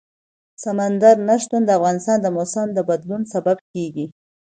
سمندر نه شتون د افغانستان د موسم د بدلون سبب کېږي.